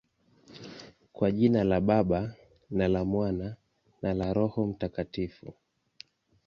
Kwa jina la Baba, na la Mwana, na la Roho Mtakatifu.